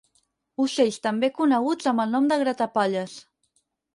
Ocells també coneguts amb el nom de gratapalles.